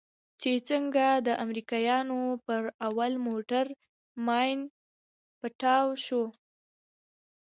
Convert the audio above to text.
چې څنگه د امريکانو پر اول موټر ماين پټاو سو.